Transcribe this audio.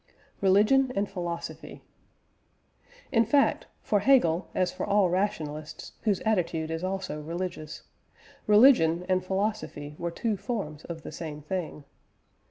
RELIGION AND PHILOSOPHY. In fact, for Hegel as for all rationalists whose attitude is also religious, religion and philosophy were two forms of the same thing.